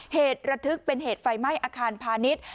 เหตุระทึกเป็นเหตุไฟไหม้อาคารพาณิชย์